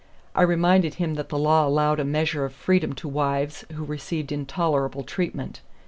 I reminded him that the law allowed a measure of freedom to wives who received intolerable treatment.